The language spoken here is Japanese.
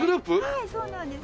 はいそうなんです。